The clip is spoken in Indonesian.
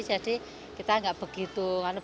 jadi kita nggak begitu